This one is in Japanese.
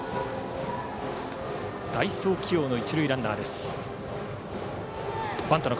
代走起用の一塁ランナーです。